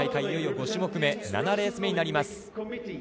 いよいよ５種目目、７レース目になります。